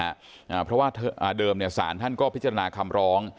อ่าเพราะว่าอ่าเดิมเนี่ยสารท่านก็พิจารณาคำร้อง